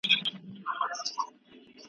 چي مین پر ګل غونډۍ پر ارغوان وم .